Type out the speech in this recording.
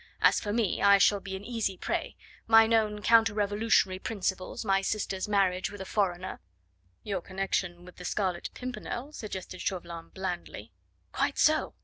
As for me, I shall be an easy prey; my known counter revolutionary principles, my sister's marriage with a foreigner " "Your connection with the Scarlet Pimpernel," suggested Chauvelin blandly. "Quite so.